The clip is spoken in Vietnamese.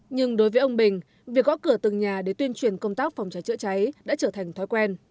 nhưng đối với ông bình việc gõ cửa từng nhà để tuyên truyền công tác phòng cháy chữa cháy đã trở thành thói quen